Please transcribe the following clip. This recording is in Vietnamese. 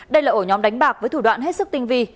đây là ổ nhóm đánh bạc với thủ đoạn hết sức tinh vi